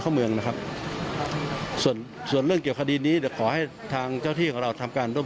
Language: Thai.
เด็กขนาดนี้ไม่น่าจะเดินเองได้นะครับ